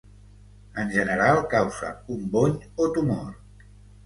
En general causa un bony o tumor.